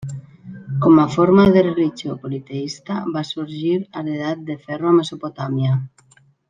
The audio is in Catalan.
Com a forma de religió politeista va sorgir a l'edat del ferro a Mesopotàmia.